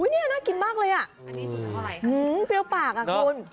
นี่น่ากินมากเลยอ่ะอันนี้เปรี้ยวปากอ่ะคุณ